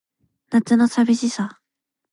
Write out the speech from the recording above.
夏の淋しさ